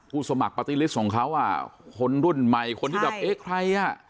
ผู้สมัครส่งเขาอ่ะคนรุ่นใหม่คนที่แบบเอ๊ะใครอ่ะ